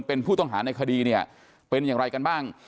เป็นผู้ต้องหาในคดีเนี่ยเป็นอย่างไรกันบ้าง